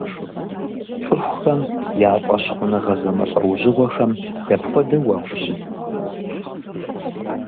Цӏыхухэм я фӏэщхъуныгъэ зэмылӏэужьыгъуэхэм дапхуэдэу уахущыт?